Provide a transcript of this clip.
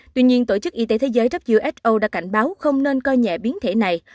tuy nhiên tổ chức y tế thế giới who đã cảnh báo không nên coi nhẹ biến thể này